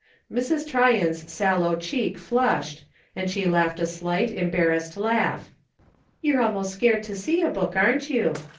Mrs. Tryon's sallow cheek flushed, and she laughed a shght, embarrassed laugh :" You're almost scared to see a book, aren't you